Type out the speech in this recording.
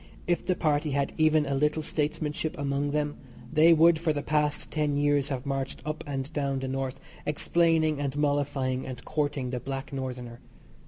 If the Party had even a little statesmanship among them they would for the past ten years have marched up and down the North explaining and mollifying and courting the Black Northerner.